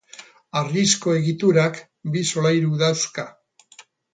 Harrizko egiturak bi solairu dauzka.